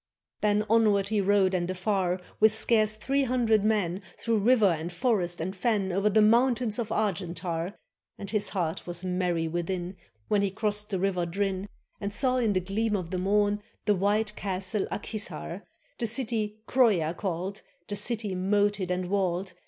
Then onward he rode and afar. With scarce three hundred men, Through river and forest and fen, O'er the mountains of Argentar; And his heart was merry within, When he crossed the river Drin, And saw in the gleam of the morn The White Castle Ak Hissar, The city Croia called, The city moated and walled.